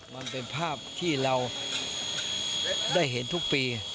มันเป็นภาพที่เราได้เห็นทุกปี